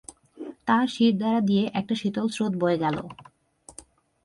তাঁর শিরদাঁড়া দিয়ে একটা শীতল স্রোত বয়ে গেল।